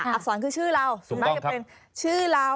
อักษรคือชื่อเราส่วนมากจะเป็นชื่อเรา